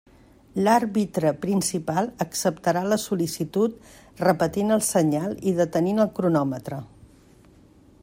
L'àrbitre principal acceptarà la sol·licitud repetint el senyal i detenint el cronòmetre.